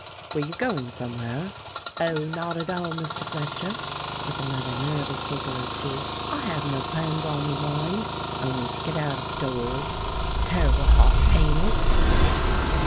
"Were you going somewhere?" "Oh, not at all, Mr. Fletcher," with another nervous giggle or two. "I have no plans on me mind, only to get out of doors. It's terrible hot, ain't it?"